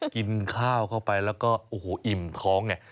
กินข้าวเข้าไปแล้วก็โอ้โหอิ่มท้องไง